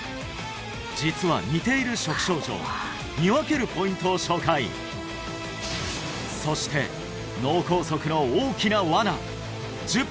実は似ている初期症状見分けるポイントを紹介そしてとは？